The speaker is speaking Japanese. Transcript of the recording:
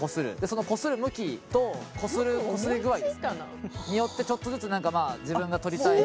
その、こする向きとこする、こすり具合ですねによって、ちょっとずつ何か自分が撮りたい。